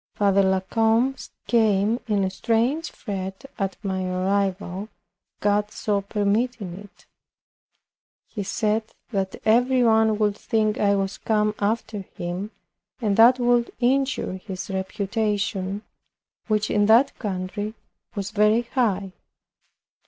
Father La Combe came in a strange fret at my arrival, God so permitting it. He said that every one would think I was come after him, and that would injure his reputation, which in that country was very high.